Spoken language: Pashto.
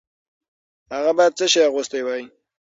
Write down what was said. هغه باید څه شی اغوستی وای؟